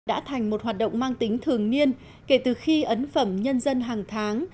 đã thành một hoạt động mang tính thường niên kể từ khi ấn phẩm nhân dân hàng tháng